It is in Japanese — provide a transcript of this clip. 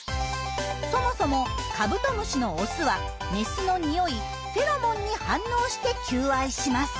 そもそもカブトムシのオスはメスのにおいフェロモンに反応して求愛します。